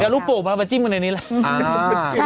อย่าลูกปู่ให้มาจิ้มกันในนี้สิ